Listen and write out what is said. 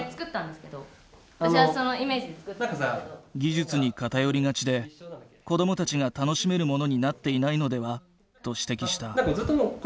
技術に偏りがちで子どもたちが楽しめるものになっていないのではと指摘した。